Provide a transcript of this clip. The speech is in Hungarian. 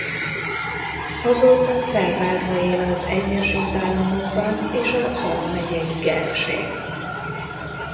Azóta felváltva él az Egyesült Államokban és a Zala megyei Gelsén.